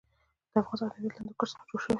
د افغانستان طبیعت له هندوکش څخه جوړ شوی دی.